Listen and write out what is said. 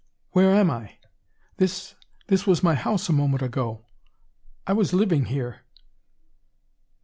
Where am I? This this was my house a moment ago. I was living here."